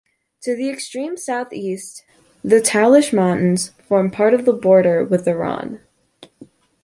To the extreme southeast, the Talysh Mountains form part of the border with Iran.